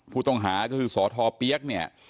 ผู้ต้องหาก็อยู่สถเปรี้ยกเนี่ย